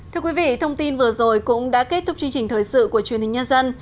thưa quý vị thông tin vừa rồi cũng đã kết thúc chương trình thời sự của truyền hình nhân dân